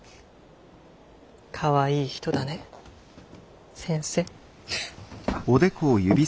かわいい人だね先生。